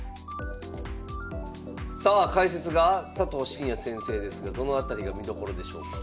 さあ解説が佐藤紳哉先生ですがどの辺りが見どころでしょうか？